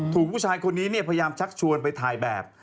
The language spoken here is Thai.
ถูกผู้ชายคนนี้พยายามชักชวนไปถ่ายแบบ